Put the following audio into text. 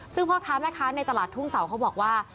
ซึ่งพ่อค้าแม่ค้าในตลาดทุ่งเสาเขาบอกว่า